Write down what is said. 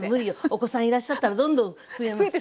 お子さんいらっしゃったらどんどん増えます。